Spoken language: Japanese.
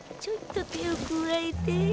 ちょいと手を加えて。